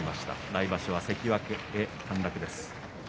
来場所は関脇へ陥落です。